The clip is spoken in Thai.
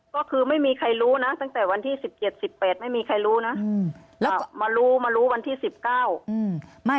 ก็คือไม่มีใครรู้นะตั้งแต่วันที่๑๗๑๘ไม่มีใครรู้นะแล้วก็มารู้มารู้วันที่๑๙